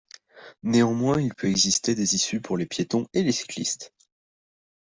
Néanmoins il peut exister des issues pour les piétons et les cyclistes.